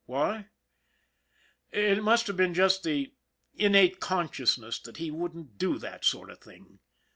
Why ? It must have been just the innate consciousness that he wouldn't do that sort of thing.